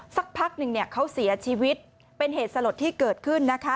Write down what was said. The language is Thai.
สักพักหนึ่งเนี่ยเขาเสียชีวิตเป็นเหตุสลดที่เกิดขึ้นนะคะ